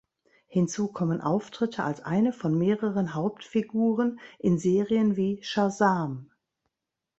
Hinzu kommen Auftritte als eine von mehreren Hauptfiguren in Serien wie "Shazam!